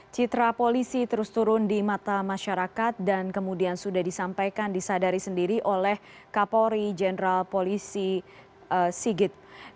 citra polisi terus turun di mata masyarakat dan kemudian sudah disampaikan disadari sendiri oleh kapolri jenderal polisi sigit